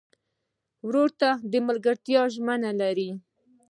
ورور ته د ملګرتیا ژمنه لرې.